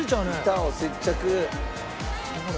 板を接着。